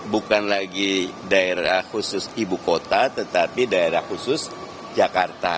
bukan lagi daerah khusus ibu kota tetapi daerah khusus jakarta